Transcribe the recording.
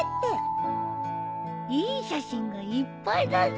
いい写真がいっぱいだね。